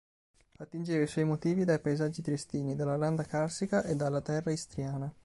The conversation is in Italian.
Attingeva i suoi motivi dai paesaggi triestini, dalla landa carsica e dalla terra istriana.